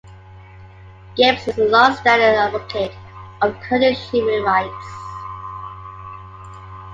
Gapes is a long-standing advocate of Kurdish human rights.